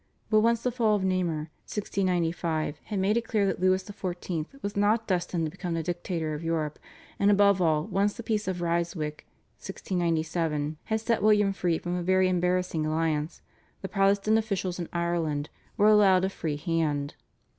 But once the fall of Namur (1695) had made it clear that Louis XIV. was not destined to become the dictator of Europe, and above all once the Peace of Ryswick (1697) had set William free from a very embarrassing alliance, the Protestant officials in Ireland were allowed a free hand.